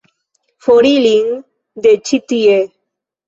For ilin de ĉi tie!